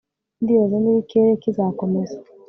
ndibaza niba ikirere kizakomeza